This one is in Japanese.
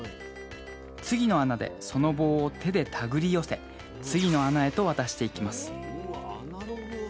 次の穴でその棒を手でたぐり寄せ次の穴へと渡していきます。